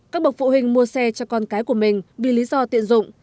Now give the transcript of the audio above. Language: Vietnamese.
các bậc phụ huynh mua xe cho con cái của mình vì lý do tiện dụng